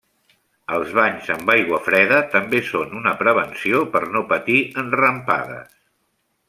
Els banys amb aigua freda, també són una prevenció per no patir enrampades.